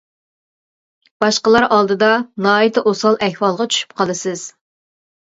باشقىلار ئالدىدا ناھايىتى ئوسال ئەھۋالغا چۈشۈپ قالىسىز.